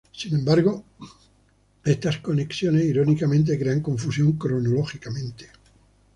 Sin embargo, estas conexiones irónicamente crean confusión cronológicamente.